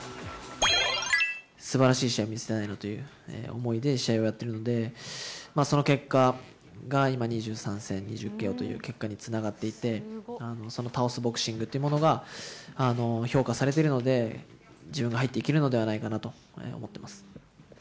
すばらしい試合を見せたいなという思いで試合をやってるので、その結果が今、２３戦２０ＫＯという結果につながっていて、その倒すボクシングというものが評価されているので、自分が入っていけるのではないかなと思ってます。